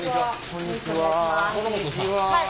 こんにちは。